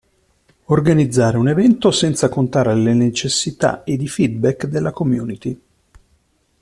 Organizzare un evento senza contare le necessità ed i feedback della community.